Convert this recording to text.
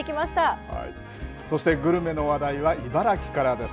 そしてグルメの話題は茨城からです。